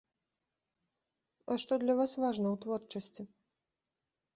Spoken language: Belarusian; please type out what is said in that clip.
А што для вас важна ў творчасці?